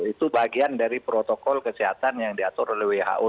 itu bagian dari protokol kesehatan yang diatur oleh who